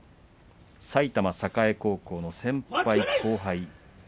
埼玉栄高校の先輩後輩